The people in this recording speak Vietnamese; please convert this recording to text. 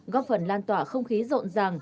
góp phần lan tỏa không khí rộn ràng